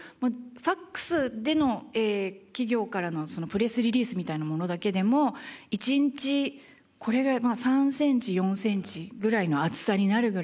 ファクスでの企業からのプレスリリースみたいなものだけでも一日これぐらい３センチ４センチぐらいの厚さになるぐらい。